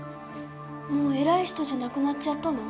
もう偉い人じゃなくなっちゃったの？